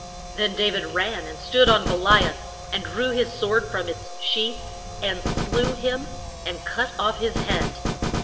] Then Da vid ran and stood on Go li ath, and drew his sword from its sheath, and slew him and cut off his head.